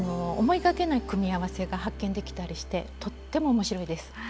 思いがけない組み合わせが発見できたりしてとっても面白いです。